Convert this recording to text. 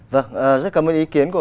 vâng rất cảm ơn ý kiến của ông